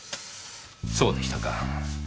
そうでしたか。